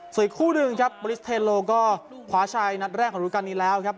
ส่วนอีกคู่หนึ่งครับบริสเทโลก็คว้าชัยนัดแรกของรูปการณ์นี้แล้วครับ